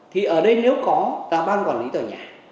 thì nếu có là ban quản lý tờ nhà